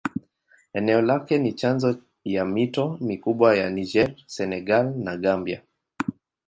Eneo lake ni chanzo ya mito mikubwa ya Niger, Senegal na Gambia.